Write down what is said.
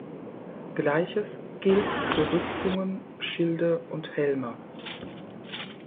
Gleiches gilt für Rüstungen, Schilde und Helme.